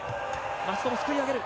松友すくい上げる。